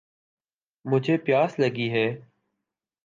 مجھے پیاس لگی ہے